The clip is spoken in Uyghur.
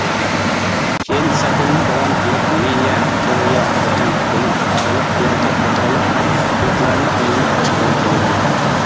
كېيىن سەپىرىنى داۋام قىلىپ، نىيە، كېرىيە، خوتەن، گۇما، قاغىلىق، ياركەن قاتارلىق يۇرتلارنى ئايلىنىپ قەشقەرگە كېلىدۇ.